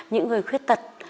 những người khuyết tật